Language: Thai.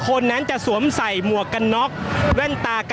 ก็น่าจะมีการเปิดทางให้รถพยาบาลเคลื่อนต่อไปนะครับ